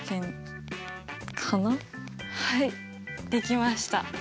はいできました。